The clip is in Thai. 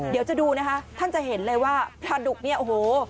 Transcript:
เดี๋ยวจะดูนะคะท่านจะเห็นเลยว่าปลาดุกเนี่ยโอ้โห